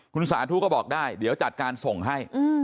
คุณสาธุก็บอกได้เดี๋ยวจัดการส่งให้